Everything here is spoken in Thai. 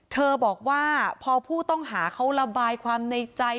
บอกว่าพอผู้ต้องหาเขาระบายความในใจ